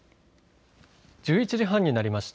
１１時半になりました。